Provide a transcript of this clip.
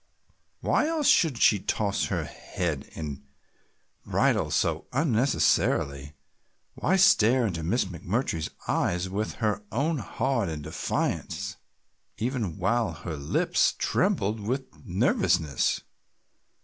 Why else should she toss her head and bridle so unnecessarily, why stare into Miss McMurtry's eyes with her own hard and defiant, even while her lips trembled with nervousness?